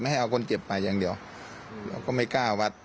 ให้เอาคนเจ็บมาอย่างเดียวเราก็ไม่กล้าวัด